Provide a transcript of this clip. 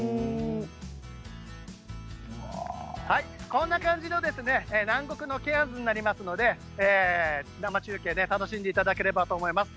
こんな感じの南国のケアンズになりますので生中継、楽しんでいただければと思います。